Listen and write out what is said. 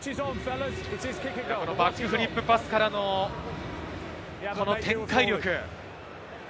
バックフリックパスからの展開力。